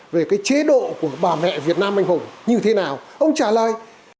về cái chế độ của bà mẹ việt nam anh hùng như thế nào ông trả lời